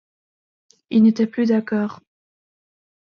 Ils n'étaient plus d'accord.